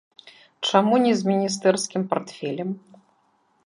Чаму не з міністэрскім партфелем?